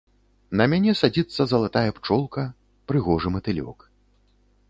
На мяне садзіцца залатая пчолка, прыгожы матылёк.